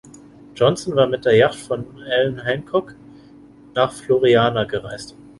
Johnson war mit der Jacht von Allan Hancock nach Floreana gereist.